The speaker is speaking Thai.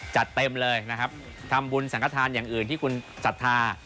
จัดเต็มเลยนะครับทำบุญสังฆฐานอย่างอื่นที่คุณศรัทธา